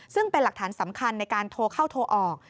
ซึ่งเป็นหลักฐานสำคัญในการโทรเข้าโทรออก